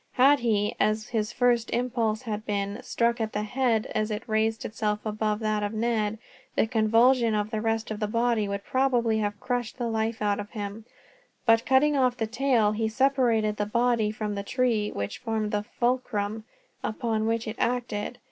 Had he, as his first impulse had been, struck at the head as it raised itself above that of Ned, the convulsion of the rest of the body would probably have crushed the life out of him; but by cutting off the tail, he separated the body from the tree which formed the fulcrum upon which it acted.